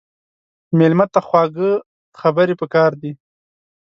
مېلمه ته خواږه خبرې پکار دي.